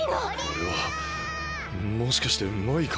あれはもしかしてマイカ？